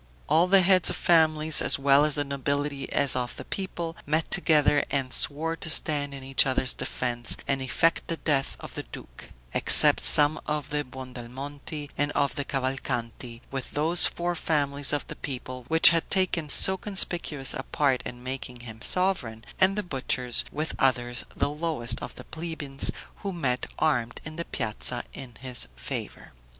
All the heads of families, as well of the nobility as of the people, met together, and swore to stand in each other's defense, and effect the death of the duke; except some of the Buondelmonti and of the Cavalcanti, with those four families of the people which had taken so conspicuous a part in making him sovereign, and the butchers, with others, the lowest of the plebeians, who met armed in the piazza in his favor.